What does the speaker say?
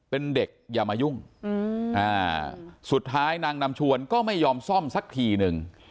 เป็นเด็กอย่ามายุ่งสุดท้ายนางนำชวนก็ไม่ยอมซ่อมสักทีนึง